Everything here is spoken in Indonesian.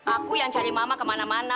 aku yang cari mama kemana mana